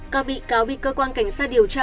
các bị cáo bị cơ quan cảnh sát điều tra